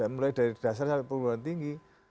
mulai dari dasar saat penggunaan tinggi